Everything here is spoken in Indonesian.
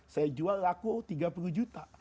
saya jual laku tiga puluh juta